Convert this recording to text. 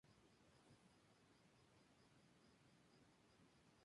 Su pueblo lucha y se organiza.